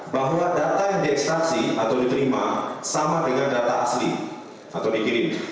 bahwa data yang diekstasi atau diterima sama dengan data asli atau dikirim